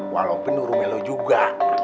walau penuh rume lo juga